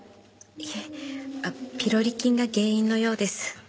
いえピロリ菌が原因のようです。